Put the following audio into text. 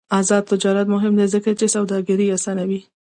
آزاد تجارت مهم دی ځکه چې سوداګري اسانوي.